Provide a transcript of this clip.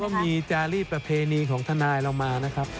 มีจารีประเพณีของทนายเรามานะครับ